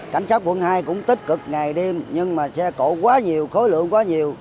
cảnh sát quận hai cũng tích cực ngày đêm nhưng mà xe cổ quá nhiều khối lượng quá nhiều